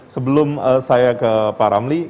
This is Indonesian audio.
sebelum saya ke pak ramli